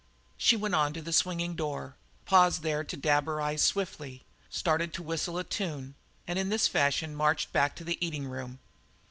She went on to the swinging door, paused there to dab her eyes swiftly, started to whistle a tune, and in this fashion marched back to the eating room.